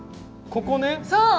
ここね。